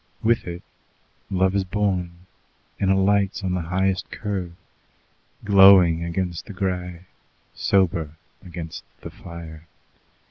With it love is born, and alights on the highest curve, glowing against the grey, sober against the fire.